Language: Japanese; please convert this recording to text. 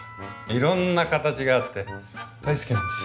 いろんな形があって大好きなんです。